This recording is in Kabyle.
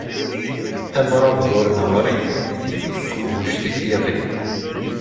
Amṛabeḍ ur neɣri, tif-it teqbuct n yiɣi.